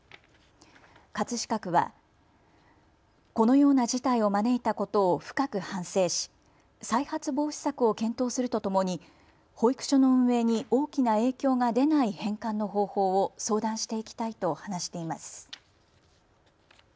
葛飾区はこのような事態を招いたことを深く反省し再発防止策を検討するとともに保育所の運営に大きな影響が出ない返還の方法を相談していきたいと話しています。